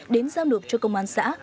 đến giao nộp cho công an xã